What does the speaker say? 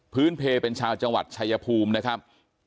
เพลเป็นชาวจังหวัดชายภูมินะครับ